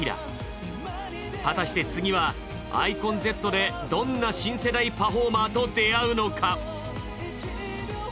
果たして次はｉＣＯＮＺでどんな新世代パフォーマーと出会うのか。